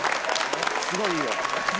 すごいいいよ。